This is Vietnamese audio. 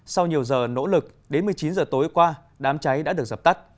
sau nhiều giờ nỗ lực đến một mươi chín h tối qua đám cháy đã được dập tắt